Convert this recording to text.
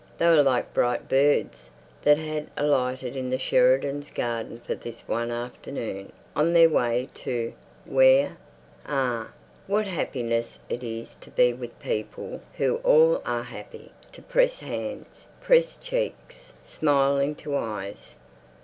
They were like bright birds that had alighted in the Sheridans' garden for this one afternoon, on their way to—where? Ah, what happiness it is to be with people who all are happy, to press hands, press cheeks, smile into eyes.